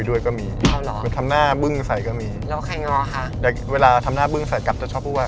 โดยเวลาเราทำหน้าบึ้งใสคลับจะชอบว่า